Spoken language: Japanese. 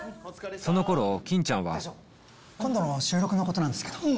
その頃欽ちゃんは今度の収録のことなんですけど。